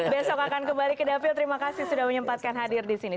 besok akan kembali ke dapil terima kasih sudah menyempatkan hadir di sini